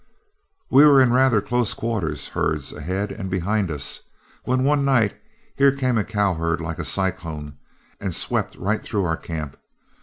"We were in rather close quarters, herds ahead and behind us, when one night here came a cow herd like a cyclone and swept right through our camp.